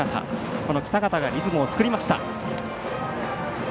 この北方がリズムを作りました。